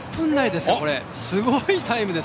すごいタイムです！